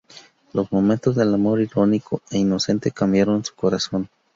Los momentos del amor irónico e inocente cambiaran su corazón.